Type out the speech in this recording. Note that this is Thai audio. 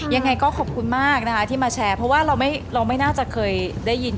ยังไงก็ขอบคุณมากนะคะที่มาแชร์เพราะว่าเราไม่น่าจะเคยได้ยิน